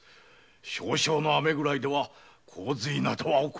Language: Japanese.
少々の雨などでは洪水などは起こりませぬ。